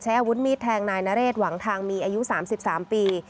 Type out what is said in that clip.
อาวุธมีดแทงนายนเรศหวังทางมีอายุ๓๓ปี